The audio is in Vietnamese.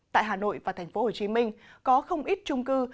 tại hà nội và tp hcm có không ít trung cư